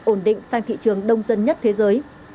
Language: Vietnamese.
ổn định sang thị trường đông dân nhất thế giới